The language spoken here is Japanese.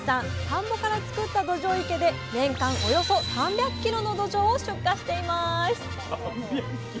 田んぼから作ったどじょう池で年間およそ３００ｋｇのどじょうを出荷しています。